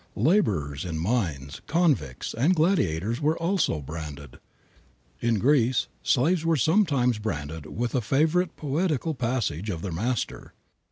Laborers in mines, convicts, and gladiators were also branded. In Greece slaves were sometimes branded with a favorite poetical passage of their master.